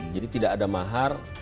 jadi tidak ada mahar